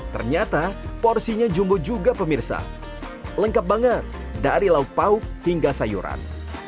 ternyata porsinya jumbo juga pemirsa lengkap banget dari lauk pauk hingga sayuran